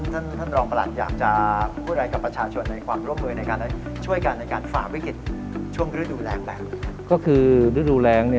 ท่านฐานรองประหลัทอยากจะพูดอะไรกับประชาชนในร่วมเมื่อและช่วยกันในทางฝ่าวิกฤตช่วงฤดูแรงแบบ